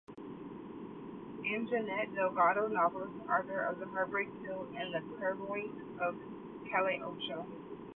Anjanette Delgado, novelist, author of "The Heartbreak Pill" and "The Clairvoyant of Calle Ocho.